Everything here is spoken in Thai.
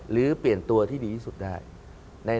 หรือเปลี่ยนตัวที่ดีที่สุดได้